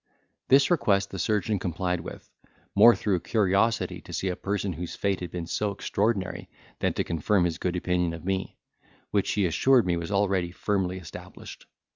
This request the surgeon complied with, more through curiosity to see a person whose fate had been so extraordinary, than to confirm his good opinion of me, which he assured me was already firmly established.